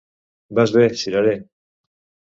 Vas bé, cirerer!